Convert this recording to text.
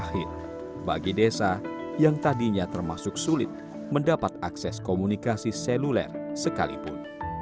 inilah terobosan mutahid bagi desa yang tadinya termasuk sulit mendapat akses komunikasi seluler sekalipun